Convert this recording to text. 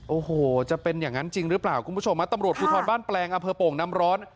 โอ้โหจะเป็นอย่างนั้นจริงหรือเปล่าคุณผู้ชมฮะตำรวจภูทรบ้านแปลงอำเภอโป่งน้ำร้อน